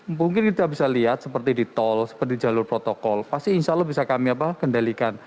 mungkin kita bisa lihat seperti di tol seperti di jalur protokol pasti insya allah bisa kami kendalikan